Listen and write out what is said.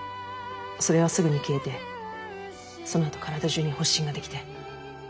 それはすぐに消えてその後体中に発疹ができて。